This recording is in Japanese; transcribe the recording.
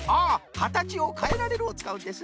「かたちをかえられる」をつかうんですな。